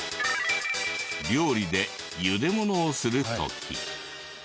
料理で茹でものをする時。